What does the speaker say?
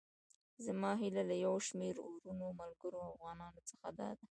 زما هيله له يو شمېر وروڼو، ملګرو او افغانانو څخه داده.